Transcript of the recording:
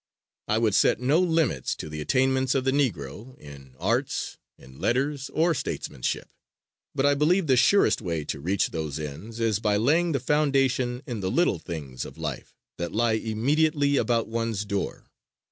I would set no limits to the attainments of the Negro in arts, in letters or statesmanship, but I believe the surest way to reach those ends is by laying the foundation in the little things of life that lie immediately about one's door.